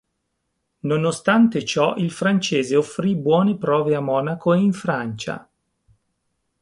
Nonostante ciò il francese offrì buone prove a Monaco e in Francia.